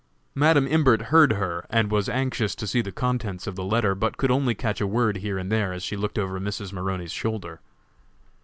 Madam Imbert heard her, and was anxious to see the contents of the letter, but could only catch a word here and there as she looked over Mrs. Maroney's shoulder.